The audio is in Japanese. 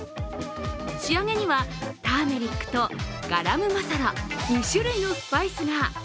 仕上げには、ターメリックとガラムマサラ２種類のスパイスが。